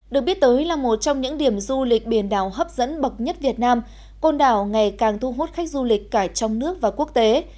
được biết tới là một trong những điểm du lịch biển đảo hấp dẫn bậc nhất việt nam côn đảo ngày càng thu hút khách du lịch cả trong nước và quốc tế